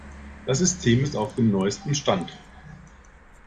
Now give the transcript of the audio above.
Das System ist auf dem neuesten Stand.